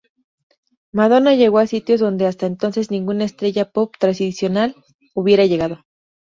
Madonna llegó a sitios donde hasta entonces ninguna estrella pop tradicional hubiera llegado.